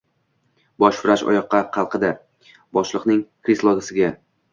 Bosh vrach oyoqqa qalqidi. Boshliqning kreslosiga...